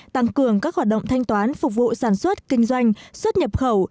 tăng cường các hoạt động thanh toán phục vụ sản xuất kinh doanh xuất nhập khẩu